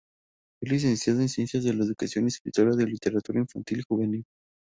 Es licenciada en Ciencias de la Educación y escritora de literatura infantil y juvenil.